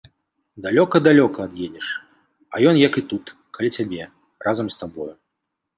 Далёка, далёка ад'едзеш, а ён як і тут, каля цябе, разам з табою.